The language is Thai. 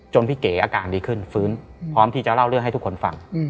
พี่เก๋อาการดีขึ้นฟื้นพร้อมที่จะเล่าเรื่องให้ทุกคนฟัง